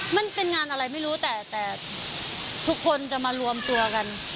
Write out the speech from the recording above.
มันเป็นงานอะไรไม่รู้แต่แต่ทุกคนจะมารวมตัวกัน